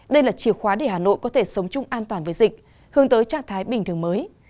đây là chìa khóa để hà nội có thể sống chung an toàn với dịch hướng tới trạng thái bình thường mới